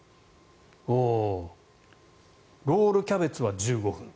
ロールキャベツは１５分。